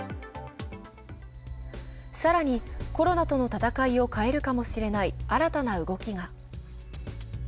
更に、コロナとの戦いを変えるかもしれない新たな動きが。